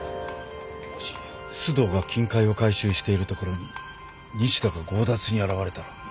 もし須藤が金塊を回収しているところに西田が強奪に現れたら。